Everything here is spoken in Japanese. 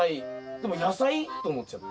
でも野菜？と思っちゃって。